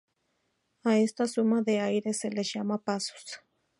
A esta suma de aires se les llama pasos.